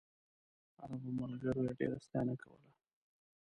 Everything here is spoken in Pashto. عربو ملګرو یې ډېره ستاینه کوله.